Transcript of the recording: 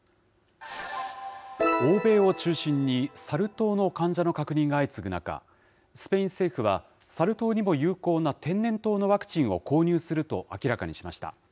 欧米を中心に、サル痘の患者の確認が相次ぐ中、スペイン政府は、サル痘にも有効な天然痘のワクチンを購入すると明らかにしました。